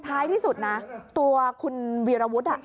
ท้ายที่สุดนะตัวคุณวีรวุฒิ